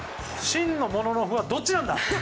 真のもののふはどっちなんだ！